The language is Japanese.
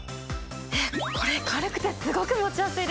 えっこれ軽くてすごく持ちやすいです！